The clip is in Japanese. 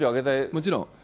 もちろん。